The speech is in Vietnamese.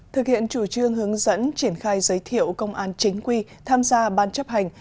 thực hiện chủ trương hướng dẫn triển khai giới thiệu công an chính quy tham gia ban chấp hành